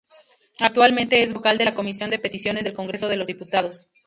Actualmente es vocal de la comisión de Peticiones del Congreso de los Diputados.